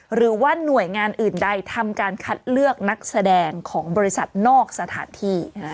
หรือว่าหน่วยงานอื่นใดทำการคัดเลือกนักแสดงของบริษัทนอกสถานที่